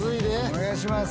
お願いします。